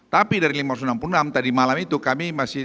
tapi dari lima ratus enam puluh enam tadi malam itu kami masih